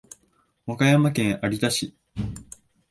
和歌山県有田市